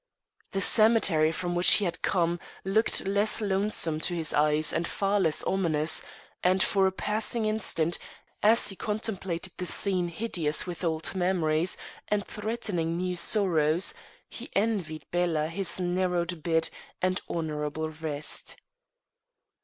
The cemetery from which he had come looked less lonesome to his eyes and far less ominous; and, for a passing instant, as he contemplated the scene hideous with old memories and threatening new sorrows, he envied Bela his narrow bed and honourable rest.